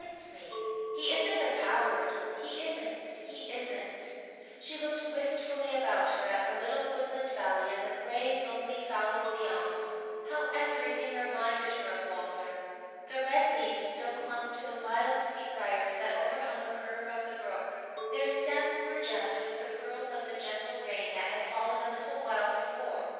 "It hurts me. He isn't a coward he isn't he isn't!" She looked wistfully about her at the little woodland valley and the grey, lonely fallows beyond. How everything reminded her of Walter! The red leaves still clung to the wild sweet briars that overhung a curve of the brook; their stems were gemmed with the pearls of the gentle rain that had fallen a little while before.